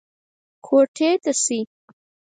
کوټې ته شئ.